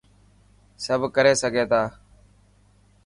سڀ ڪري سگهي ٿا.